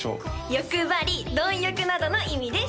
欲張り貪欲などの意味です